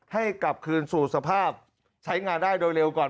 ให้กลับคืนสู่สภาพใช้งานได้โดยเร็วก่อน